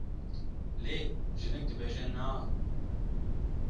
lê jinik dibêje Na!